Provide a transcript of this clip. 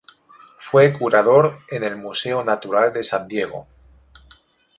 Fue curador en el "Museo Natural de San Diego".